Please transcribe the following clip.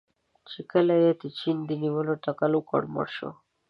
چې کله یې د چین د نیولو تکل وکړ، مړ شو.